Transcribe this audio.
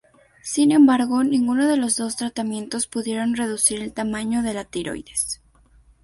Sin embargo, ninguno de los dos tratamientos pudieron reducir el tamaño de la tiroides.